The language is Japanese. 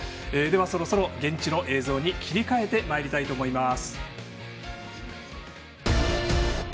そろそろ現地の映像に切り替えてまいりたいと思います。